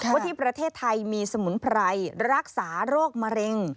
ว่าที่ประเทศไทยมีสมุนไพรรักษาโรคมะเร็ง